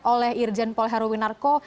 oleh irjen paul heruwinarko